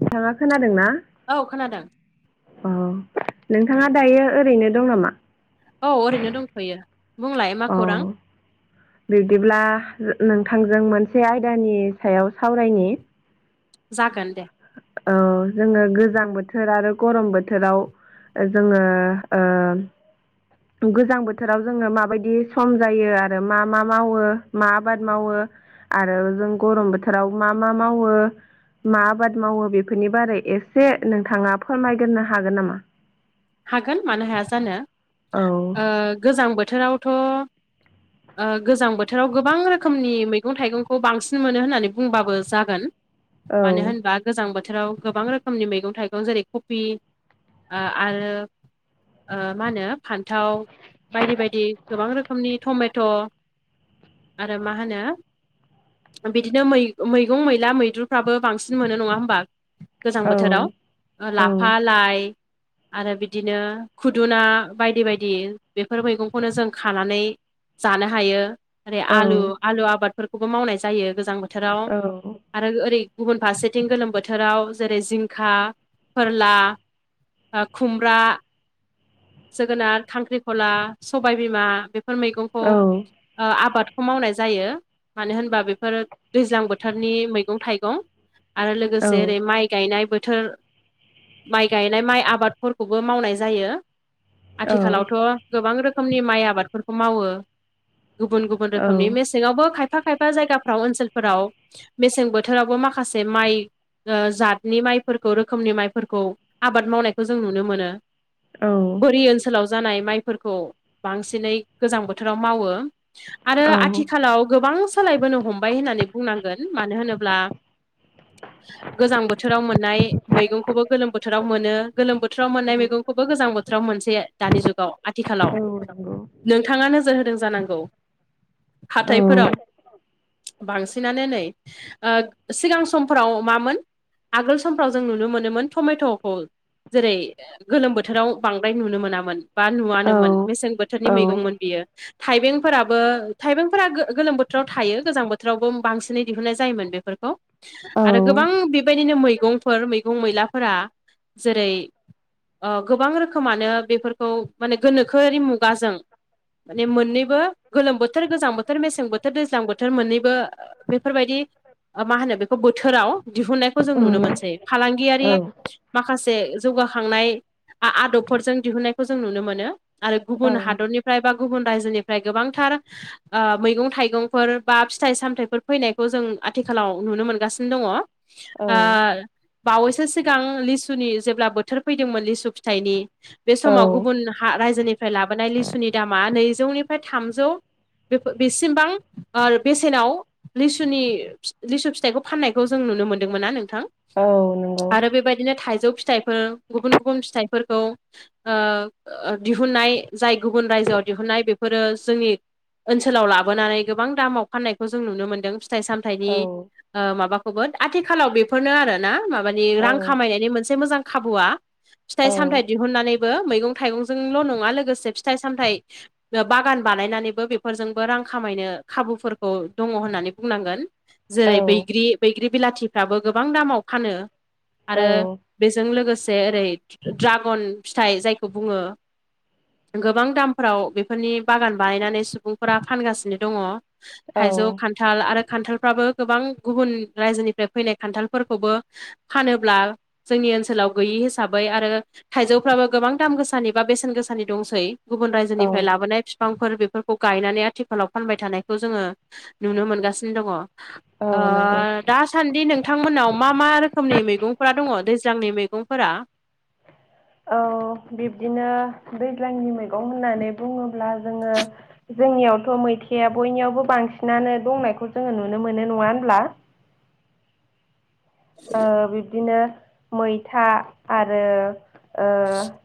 नोंथाङा खोनादोंना? औ खोनादों। औ नोंथाङा दायो ओरैनो दं नामा? औ ओरैनो दंथ'यो बुंलाय मा खौरां। बिबदिब्ला नोंथांजों मोनसे आयदानि सायाव सावरायनि। जागोन दे। औ जोङो गोजां बोथोर आरो गरम बोथोराव जोङो ओ गोजां बोथोराव जोङो माबायदि सम जायो आरो मा मा मावो मा आबाद मावो। आरो जों गरम बोथोराव मा मा मावो। मा आबाद मावो बेफोरनि बारै एसे नोंथाङा फोरमायग्रोनो हागोन नामा? हागोन मानो हाया जानो औ गोजां बोथोरावथ' गोजां बोथोराव गोबां रोखोमनि मैगं थाइगंखौ बांसिन मोनो होननानै बुंबाबो जागोन। मानो होनबा गोजां बोथोराव गोबां रोखोमनि मैगं थाइगं जेरै कफि आरो मा होनो फान्थाव बायदि बायदि गोबां रोखोमनि टमेट' आरो मा होनो बिदिनो मैगं मैला मैद्रुफ्राबो बांसिन मोनो नङा होमबा? गोजां औ बोथोराव। ओ औ लाफा लाइ आरो बिदिनो खुदुना बायदि बायदि बेफोर मैगंखौनो जों खानानै जानो हायो ओरै औ आलु आलु आबादफोरखौबो मावनाय जायो गोजां बोथोराव। आरो ओरै गुबुन फारसेथिं गोलोम बोथोराव जेरै जिंखा फोरला खुमब्रा, जोगोनार, खांख्रिखला, सबायबिमा बेफोर मैगं औ ओ आबादखौ मावनाय जायो। मानो होनबा बेफोरो दैज्लां बोथोरनि मैगं थाइगं। आरो लोगोसे ओरै माइ गायनाय बोथोर माइ गायनाय माइ आबादफोरखौबो मावनाय जायो। आथिखालावथ' गोबां रोखोमनि माइ आबादफोरखौ मावो गुबुन गुबुन रोखोमनि मे सेङावबो खायफा खायफा जायगाफ्राव ओनसोलफोराव मेसें बोथोरावबो माखासे माइ जतनि माइफोरखौ रोखोमनि माइफोरखौ आबाद मावनायखौ जों नुनो मोनो। बोरि ओनसोलाव जानाय माइफोरखौ बांसिनै गोजां बोथोराव मावो। आरो आथिखालाव गोबां सोलायबोनो हमबाय होननानै बुंनांगोन मानो होनोब्ला गोजां बोथोराव मोननाय मैगंखौबो गोलोम बोथोराव मोनो। गोलोम बोथोराव मोननाय मैगंखौबो गोजां बोथोराव मोनसेये दानि जुगाव आथिखालाव। नोंथाङा नोजोर होदों जानांगौ? हाथायफोराव बांसिनानो नै ओ सिगां समफोराव मामोन आगोल समफ्राव जों नुनो मोनोमोन थमेथ'खौ जेरै गोलोम बोथोराव बांद्राय नुनो मोनामोन बा नुवानोमोन मेसें बोथोरनि मैगंमोन बियो थाइबें फोराबो थाइबेंफोरा गो-गोलोम बोथोराव थायो गोजां बोथोरावबो बांसिनै दिहुननाय जायोमोन बेफोरखौ। आरो गोबां बेबायदिनो मैगं फोर मैगं मैलाफोरा जेरै ओ गोबां रोख खोमानो बेफोरखौ माने गोनोखोआरि मुगाजों माने मोननैबो गोलोम बोथोर गोजां बोथोर मेसें बोथोर दैज्लां बोथोर मोननैबो बेफोरबायदि ओ मा होनो बेखौ बोथोराव दिहुननायखौ जों नुनो मोनसै। फालांगियारि माखासे जौगाखांनाय आ-आदब फोरजों दिहुननायखौ जों नुनो मोनो आरो गुबुन हादरनिफ्राय बा गुबुन रायजोनिफ्राय गोबांथार ओ मैगं थाइगंफोर बा फिथाइ सामथायाइफोर फैनायखौ जों आथिखालाव नुनो मोनगासिनो दङ। ओ बावैसो सिगां लिसुनि जेब्ला बोथोर फैदोंमोन लिसु फिथाइनि बे समाव गुबुन हा रायजोनिफ्राय लाबोनाय लिसुनि दामा नैजौनिफ्राय थामजौ बेफो बिसिमबां ओर बेसेनाव लिसुनि लिसु फिथाइखौ फाननायखौ जों नुनो मोनदोंमोन ना नोंथां? औ नों आरो बेबायदिनो थाइजौ फिथाइफोर गुबुन गुबुन फिथाइफोरखौ ओ ओ दिहुननाय जाय गुबुन रायजोआव दिहुननाय बेफोरो जोंनि ओनसोलाव लाबोनानै गोबां दामाव फाननायखौ जों नुनो मोन्दों। फिथाइ सामथाइनि ओ माबाखौबोद आथिखालाव बेफोरनो आरोना। माबानि रां खामायनायनि मोनसे मोजां खाबुआ फिथाइ सामथाइ नानैबो मैगं थाइगंजोंल' नङा लोगोसे फिथाइ सामथाइ ओ बागान बानायनानैबो बेफोरजोंबो रां खामायनो खाबुफोरखौ दङ होननानै बुंनांगोन। जोरै बैग्रि बैग्रि बिलाथिफ्राबो गोबां दामाव फानो आरो बेजों लोगोसे ओरै ड्रागन फिथाइ जायखौ बुङो। गोबां दामफ्राव बेफोरनि बागान बानायनानै सुबुंफोरा फानगासिनो दङ। थाइजौ खान थाल आरो खान्थालफ्राबो गोबां गुबुन रायजोनिफ्राय फैनाय खान्थालफोरखौबो फानोब्ला जोंनि ओनसोलाव गैयि हिसाबै आरो थाइजौफ्राबो गोबां दाम गोसानि बा बेसेन गोसानि दंसै गुबुन रायजोनिफ्राय लाबोनाय फि फांफोर बेफोरखौ गायनानै आथिखालाव फानबाय थानायखौ जोङो नुनो मोनगासिनो दङ। ओ औ नंगौ दास सान्दि नोंथांमोनाव मा मा रोखोमनि मैगंफोरा दंङ दैज्लांनि मैगंफोरा? औ बिब्दिनो दैज्लांनि मैगं होननानै बुंङोब्ला जोङो जोंनियावथ' मैथाया बयनियावबो बांसिनानो दंनायखौ जोङो नुनो मोनो नङा होनब्ला? ओ बिब्दिनो मैथा आरो ओ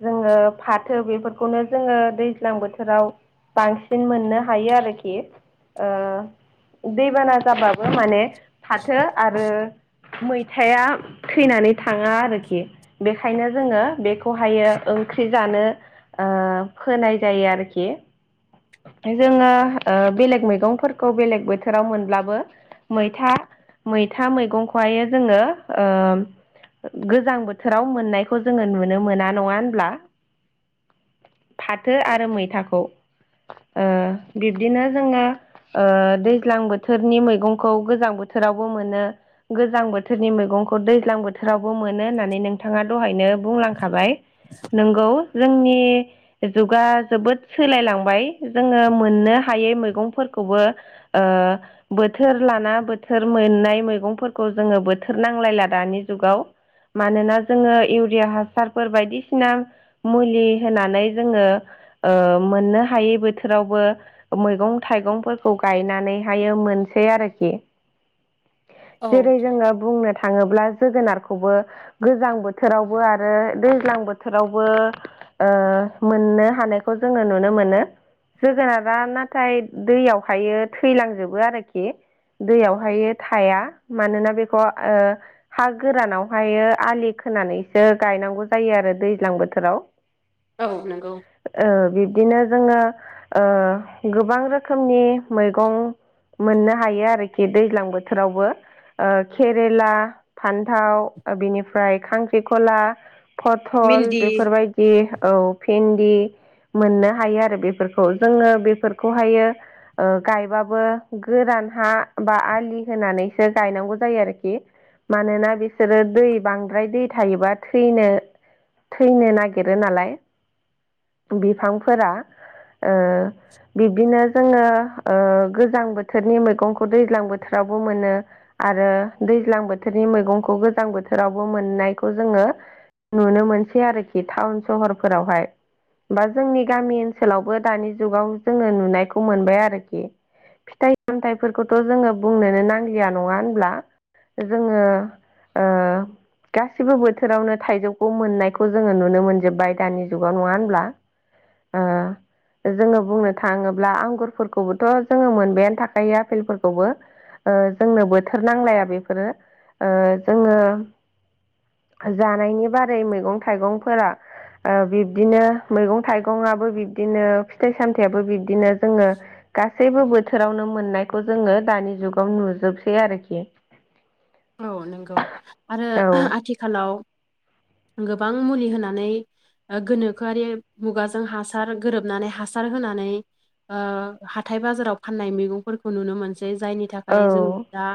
जोङो फाथो बेफोरखौनो जोङो दैज्लां बोथोराव बांसिन मोननो हायो आरोखि। ओ दैबाना जाबाबो माने फाथो आरो मै थाया थैनानै थाङा आरोखि। बेखायनो जोङो बेखौहायो ओंख्रि जानो ओ फोनाय जायो आरोखि। जोङो ओ बेलेग मैगंफोरखौ बेलेग बोथोराव मोनब्लाबो मैथा मैथा मैगंखौहाय जोङो ओ गोजां बोथोराव मोननायखौ जोङो नुनो मोना नङा होनब्ला? फाथो आरो मैथाखौ ओ-बिब्दिनो जोंङो। ओ-दैज्लां बोथोरनि मैगंखौ गोजां बोथोरावबो मोनो गोजां बोथ बोथोरनि मैगंखौ दैज्लां बोथोरावबो मोनो होननानै नोंथांङा दहायनो बुंलांखाबाय। नंगौ जोंनि। जुगा जोबोद सोलायलांबाय जोंङो मोननो हायै मैगंफोरखौबो। ओ बोथोर लाना बोथोर मोननाय मैगंफोरखौ जोंङो बोथ थोर नांलायला दानि जुगाव मानोना जोंङो इउरिया हासारफोर बायदिसिना। मुलि होनानै जोंङो ओ-मोननो हायै बोथोरावबो। मैगं थाइगंफोरखौ गायनानैहाय मोनसै आरोखि। औ जेरै जोंङो बुंनो थांङोब्ला जोगोनारखौबो। गोजां बोथोरावबो आरो दैज्लां बोथोरावबो। ओ-मोननो हानायखौ जोंङो नुनो मोनो। जोगोनारा नाथाय दैयावहायो थैलांजोबो आरोखि। दैयावहायो थाया मानोना बेखौ ओ हा गोरानावहायो आलि खोनानैसो गायनांगौ जायो आरो दैज्लां बोथोराव। [inaudible] औ नंगौ ओ-बिब्दिनो जोङो गोबां ओ-रोखोमनि मैगं मोननो हायो आरोखि दैज्लां बोथोरावबो। केरेला फान्थाव बिनिफ्राय खांख्रिखला। पटल भिन्दि बेफोरबायदि औ भन्दि। मोननो हायो आरो बेफोरखौ जोंङो बेफोरखौहायो। ओ गायबाबो गोरान हा बा आलि होनानैसो गायनांगौ। जायो आरोखि मानोना बिसोरो दै बांद्राय दै थायोबा थैनो। थैनो नागिरो नालाय बिफांफोरा ओ बिब्दिनो जोंङो ओ-गोजां बोथोरनि मैगंखौ दैज्लां बोथोरावबो मोनो। आरो दैज्लां बोथोरनि मैगंखौ गोजां बोथोरावबो मोननायखौ जोंङो। नुनो मोनसै आरोखि टाउन सहरफोरावहाय। बा जोंनि गामि ओनसोलावबो दानि जुगाव जोंङो नुनायखौ मोनबाय आरोखि। फिथाइ सामथाइफोरखौथ जोंङो बुंनोनो नांलिया नंङा होन ब्ला जोंङो ओ गासिबो बोथोरावनो थाइजौखौ मोननायखौ जोंङो नुनो मोनजोब्बाय दानि जुगाव नंङा होनोमब्ला। ओ जोंङो बुंनो थांङोब्ला आंगुरफोरखौबोथ जोंङो मोनबायानो थाखायो आपेलफोरखौबो। ओ-जोंनो बोथोर नांलाया बेफोरो ओ-जोंङो। जानायनि बारै मैगं थाइगंफोरा। ओ-बिब्दिनो मैगं थाइगंङाबो बिब्दिनो। फिथाइ सामथाययाबो बिब्दिनो जोंङो गासैबो बोथ बोथोरावनो मोननायखौ जोंङो दानि जुगाव नुजोबसै आरोखि। औ नंगौ आरो औ आथिखालाव गोबां मुलि होनानै। गोनोखोआरि मुगाजों हासार गोरोबनानै हासार होनानै। ओ-हाथाय बाजाराव फाननाय मैगंफोरखौ नुनो मोनसै। ज जायनि थाखाय औ जों दा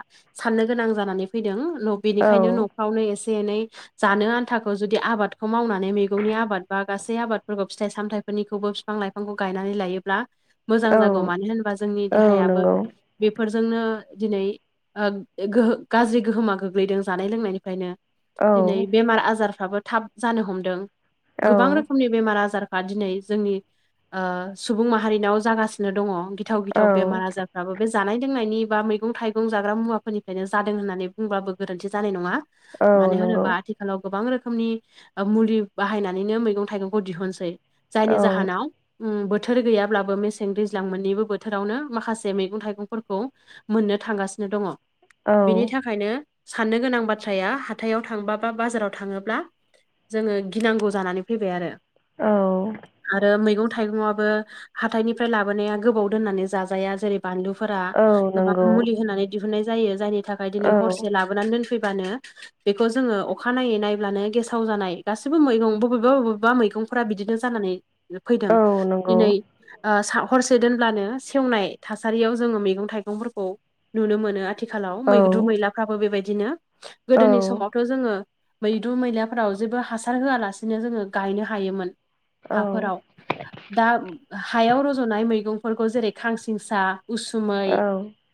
साननो गोनां जानानै फैदों न औ बेनिखायनो न वनो एसे एनै जानो आन्थाखौ जुदि आबादखौ मावनानै मैगंनि आबाद बा। गासै आबादफोरखौ फिथाइ सामथायाइनिखौबो बिफां लाइफांखौ गायनानै लायोब्ला। मोजां औ जागौ मानो होनबा जोंनि औ देहायाबो। नंगौ बेफोरजोंनो दिनै गोह गाज्रि गोहोमा गोग्लैदों जानाय लोंनायनिफ्रायनो। औ दिनै बेमार आजारफ्राबो थाब जानो हमदों औ गोबां रोखोमनि बेमार आजारफा दिनै जोंनि सुबुं माहारिनाव जागासिनो दङ। गिथाव औ गिथाव बेमार आजारफ्राबो बे जानाय लोंनायनि बा मैगं थाइगं जाग्रा मुवाफोरनिफ्रायनो। जादों होननानै बुंब्लाबो गोरोन्थि जानाय नङा औ मानो नंगौ होनोबा आथिखालाव गोबां रोखोमनि ओ मुलि बाहायनानैनो मैगं थाइगंखौ दिहुनसै। जायनि औ जाहोनाव ओम बोथोर गैयाब्लाबो मेसें दैज्लां मोननैबो बोथोरावनो माखासे मैगं थाइगंफोरखौ मोननो थांगासिनो दङ। बिनि औ थाखायनो साननो गोनां बाथ्राया हाथायाव थांब बा बाजाराव थाङोब्ला जोङो गिनांगौ जानानै फैबाय आरो। औ। आरो मैगं थाइगंआबो हाथथायनिफ्राय लाबोनाया गोबाव दोननानै जाजाया जेरै बानलुफोरा गोबां नंगौ मुलि होननानै दिहनाय जायो जायनि थाखाय औ दिनै हरसे ला बोनानै दोनफैबानो बेखौ जोङो अखा नायै नायब्लानो गेसाव जानाय गासिबो मैगं बबेबा बबेबा मैगं फ्रा बिदिनो जानानै फैदों औ नंगौ औ दिनै ओ सा हरसे दोनब्लानो सेवनाय थासारियाव जोङो मैगं थाइगंफोरखौ नुनो मोनो आथिखालाव औ मैद्रु मैलाफ्राबो बेबायदिनो औ गोदोनि समावथ' जोङो मैद्रु मैलाफोराव जेबो हासार होआलासिनो जोङो गायनो हायोमोन। हाफोराव दा हायाव रज'नाय मैगंफोरखौ जेरै खांसिंसा उसुमै औ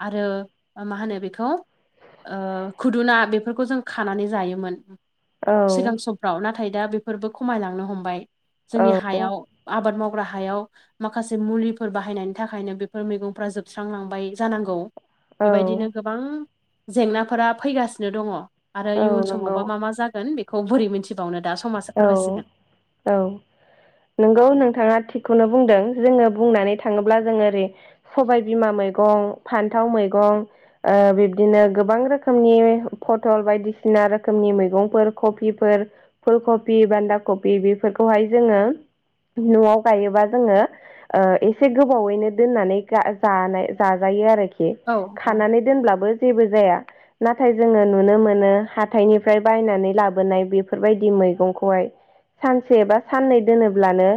आरो मा होनो बेखो ओ खुदुना बेफोरखौ जों खानानै जायोमोन सिगां सम फाव नाथाय दा बेफोरबो खमायलांनो हमबाय जोंनि हायाव आबाद मावग्रा हायाव माखासे मुलिफोर बाहायनायनि थाखायनो बेफोर मैगंफ्रा जोबस्रांलांबाय जानांगौ। बेबायदिनो गोबां जेंनाफोरा फैगासिनो दङ। आरो इयुन नंगौ समावबा मा मा जागोन बेखौ बोरै मिथिबावनो दा औ समासो फोरमायसिगोन। औ नंगौ नोंथाङा थिगखौनो बुंदों जोङो बुंनानै थाङोब्ला जोङो ओरै सबाय बिमा मैगं फान्थाव मैगं ओ बिब्दिनो गोबां रोखोमनि फटल बायदिसिना रोखोमनि मैगंफोर कफिफोर फुलकबि बान्दा कफि बेफोरखौहाय जोङो न'आव गायोबा जोङो ओ एसे गोबावैनो दोननानै जा-जानाय जा-जायो आरोखि औ औ खानानै दोनब्लाबो जेबो जाया। नाथाय जोङो नुनो मोनो हाथायनिफ्राय बायनानै लाबोनाय बेफोरबायदि मैगंखौहाय सानसे एबा साननै दोनोब्लानो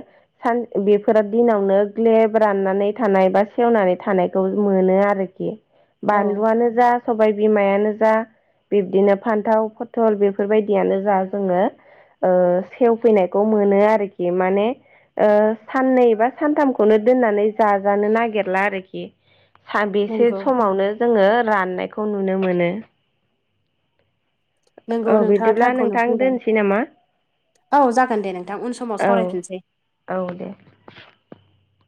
सान बेफोर दिनावनो ग्लेब राननानै थानाय बा सेवनानै थानायखौ मोनो आरो। औ बानलुवानो जास सबाय बिमायानो जा बिब्दिनो फान्थाव फथल बेफोरबायदियानो जा जोङो ओ सेवफैनायखौ मोनो आरोखि माने ओ साननै बा सानथामखौनो दोननानै जाजानो नागिरला आरोखि। साबेसे नंगौ समावनो जोङो राननायखौ नुनो मोनो। नोंगौ औ नोंथाङा बिदिब्ला थारखौनो नोंथां बुंदों। दोनसै नामा औ जागोन दे नोंथां उन समाव औ सावरायफिनसै। औ दे।